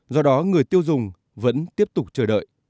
do đó người tiêu dùng vẫn tiếp tục chờ đợi